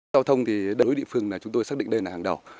giao thông thì đối với địa phương là chúng tôi xác định đây là hàng đầu